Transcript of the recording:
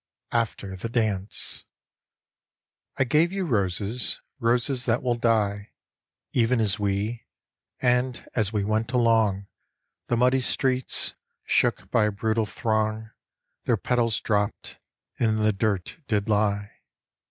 After the Dance I GAVE you roses, roses that will die, Even as we, and as we went along The muddy streets, shook by a brutal throng, Their petals dropped, and in the dirt did lie.